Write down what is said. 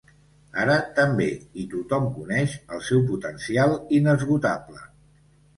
Ara també i tothom coneix el seu potencial inesgotable.